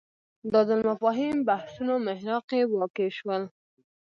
دا ځل مفاهیم بحثونو محراق کې واقع شول